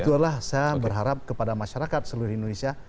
saya berharap kepada masyarakat seluruh indonesia